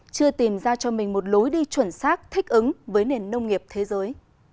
chưa tìm ra cho mình một lối đi chuẩn xác thích ứng với nền nông nghiệp thế giới